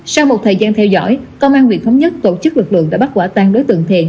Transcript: sau một thời gian theo dõi công an huyện thống nhất tổ chức lực lượng đã bắt quả tang đối tượng thiện